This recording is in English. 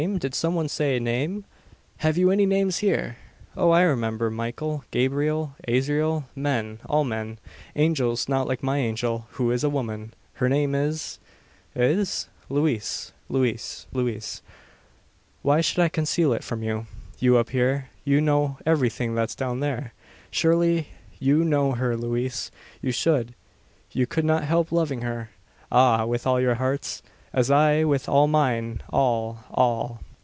Did some one say, name? Have you any names here? Oh! I remember Michael, Gabriel, Azrael men, all men. Angels, not like my angel who is a woman. Her name is " "Is?" "Louise Louise Louise. Why should I conceal it from you you up here, who know everything that's down there? Surely you know her Louise? You should: you could not help loving her ah! with all your hearts, as I with all mine all all!"